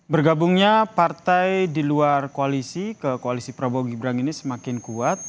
bergabungnya partai di luar koalisi ke koalisi prabowo gibran ini semakin kuat